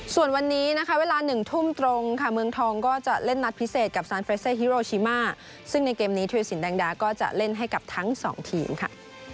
ส่วนวันนี้นะคะเวลา๑ทุ่มตรงค่ะเมืองทองก็จะเล่นนัดพิเศษกับซานเฟรเซฮิโรชิมาซึ่งในเกมนี้ธุรสินแดงดาก็จะเล่นให้กับทั้งสองทีมค่ะ